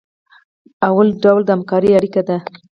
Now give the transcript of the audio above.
لومړی ډول د همکارۍ اړیکې دي.